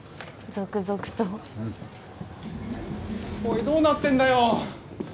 続々とおいどうなってんだよ！？